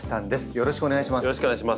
よろしくお願いします。